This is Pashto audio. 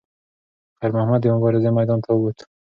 خیر محمد د مبارزې میدان ته وووت.